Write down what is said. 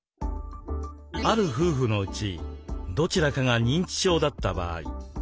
ある夫婦のうちどちらかが認知症だった場合。